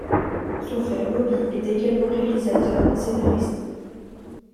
Son frère Bobby est également réalisateur et scénariste.